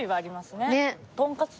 ねっ。